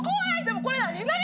でもこれ何？